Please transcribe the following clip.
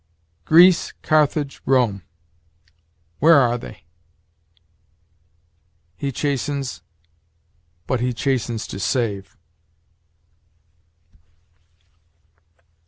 "Greece, Carthage, Rome, where are they?" "He chastens; but he chastens to save."